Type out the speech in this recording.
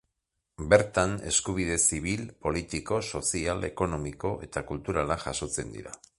Bertan eskubide zibil, politiko, sozial, ekonomiko eta kulturalak jasotzen dira.